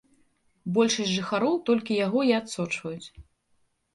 Большасць жыхароў толькі яго і адсочваюць.